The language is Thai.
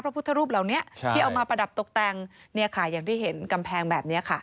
พุทธรูปเหล่านี้ที่เอามาประดับตกแต่งเนี่ยค่ะอย่างที่เห็นกำแพงแบบนี้ค่ะ